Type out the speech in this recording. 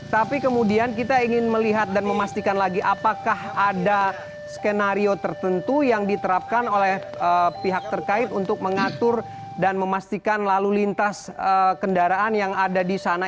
tapi kemudian kita ingin melihat dan memastikan lagi apakah ada skenario tertentu yang diterapkan oleh pihak terkait untuk mengatur dan memastikan lalu lintas kendaraan yang ada di sana